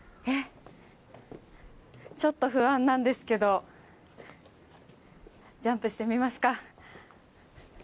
ちょっと不安なんですけどジャンプしてみますか。